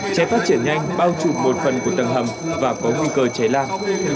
cháy phát triển nhanh bao trùm một phần của tầng hầm và có nguy cơ cháy lan